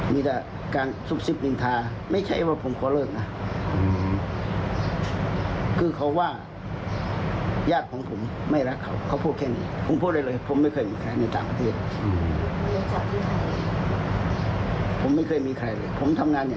มีแต่การสุดสึกอินทาไม่ใช่ผมว่าผมปลอดภัยนะ